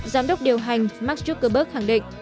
giám đốc điều hành mark zuckerberg khẳng định